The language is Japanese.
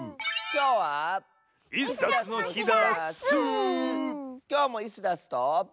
きょうもイスダスと。